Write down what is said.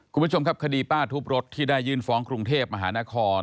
คุณผู้ชมครับคดีป้าทุบรถที่ได้ยื่นฟ้องกรุงเทพมหานคร